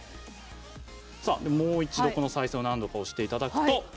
もう一度、再生を何度か押していただくと。